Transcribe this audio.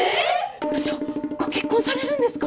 部長ご結婚されるんですか！？